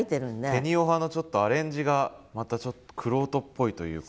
「てにをは」のちょっとアレンジがまたちょっと玄人っぽいというか。